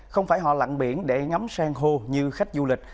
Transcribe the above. không phải họ lặng biển để ngắm san hô như khách du lịch